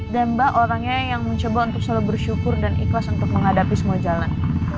dan mbak orangnya yang mencoba untuk selalu bersyukur dan ikhlas untuk menghadapi semua jalan